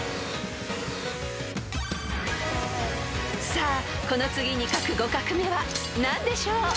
［さあこの次に書く５画目は何でしょう］